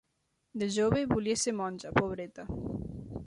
De jova, volia ser monja, pobreta